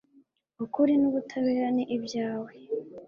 ukuri n'ubutabera ni ibyawe